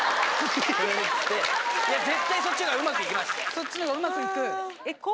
そっちの方がうまくいく？え！